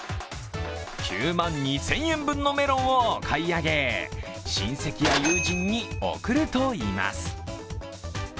９万２０００円分のメロンをお買い上げ親戚や友人に贈るといいます。